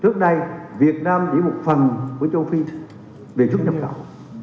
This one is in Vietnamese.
trước đây việt nam chỉ một phần của châu phi để xuất nhập khẩu